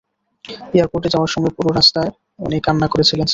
এয়ারপোর্টে যাওয়ার সময় পুরো রাস্তায় উনি কান্না করছিলেন, স্যার।